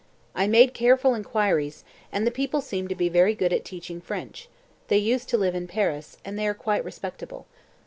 I made careful inquiries, and the people seem to be very good at teaching French they used to live in Paris and they are quite respectable.